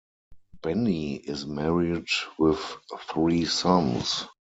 Bennie is married with three sons.